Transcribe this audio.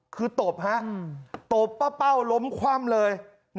คือตบฮะตบป้าเป้าล้มคว่ำเลย